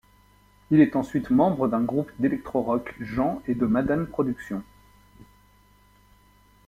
Il est ensuite membre d'un groupe d'électro-rock Jean et de Madhen Productions.